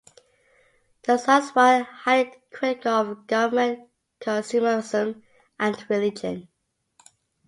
Their songs were highly critical of government, consumerism and religion.